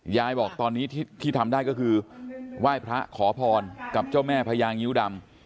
ยายบอกตอนนี้ที่ทำได้ก็คือไหว้พระขอพรกับเจ้าแม่พญางิ้วดำ